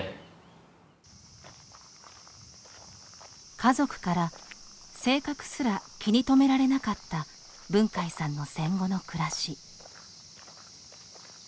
家族から性格すら気に留められなかった文海さんの戦後の暮らし。